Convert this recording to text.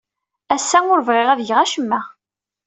Ass-a, ur bɣiɣ ad geɣ acemma.